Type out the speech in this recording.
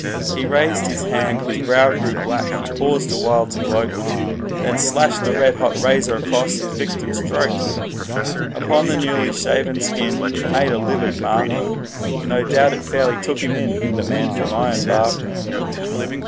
He raised his hand, his brow grew black, he paused awhile to gloat, Then slashed the red hot razor back across his victim's throat; Upon the newly shaven skin it made a livid mark No doubt it fairly took him in the man from Ironbark.